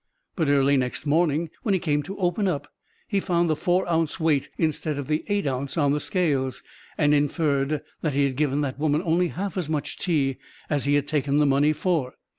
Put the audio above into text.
But early next morning, when he came to "open up," he found the four ounce weight instead of the eight ounce on the scales, and inferred that he had given that woman only half as much tea as he had taken the money for.